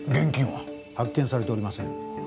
発見されておりません。